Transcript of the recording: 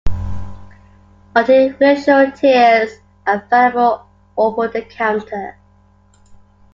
Artificial tears are available over-the-counter.